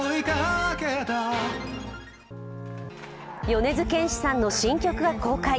米津玄師さんの新曲が公開。